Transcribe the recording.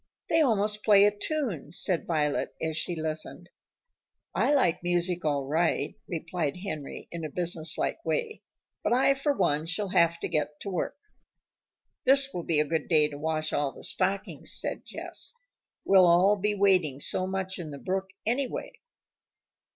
"They almost play a tune," said Violet, as she listened. "I like music all right," replied Henry in a business like way, "but I for one shall have to get to work." "This will be a good day to wash all the stockings," said Jess. "We'll all be wading so much in the brook, anyway."